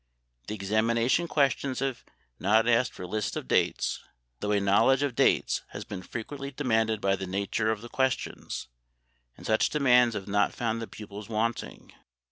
The examination questions have not asked for lists of dates, though a knowledge of dates has been frequently demanded by the nature of the questions, and such demands have not found the pupils wanting.